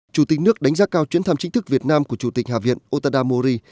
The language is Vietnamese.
chủ tịch nước đánh giá cao chuyến thăm chính thức việt nam của chủ tịch hạ viện otada mori